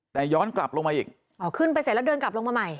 แต่ย้อนกลับลงมาอีกอ๋อขึ้นไปเสร็จแล้วเดินกลับลงมาใหม่